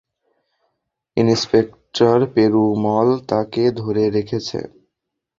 Inspector Perumal তাকে ধরে রেখেছে।